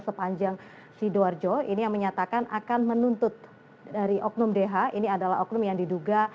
sepanjang sidoarjo ini yang menyatakan akan menuntut dari oknum dh ini adalah oknum yang diduga